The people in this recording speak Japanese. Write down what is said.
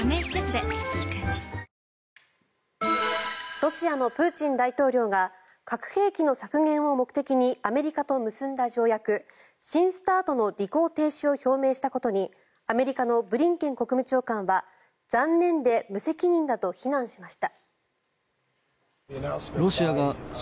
ロシアのプーチン大統領が核兵器の削減を目的にアメリカと結んだ条約新ＳＴＡＲＴの履行停止を表明したことにアメリカのブリンケン国務長官は残念で無責任だと非難しました。